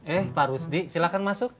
eh pak rusdi silahkan masuk